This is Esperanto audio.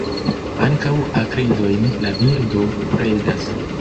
Ankaŭ akridojn la birdo predas.